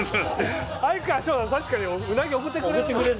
確かにうなぎ贈ってくれる。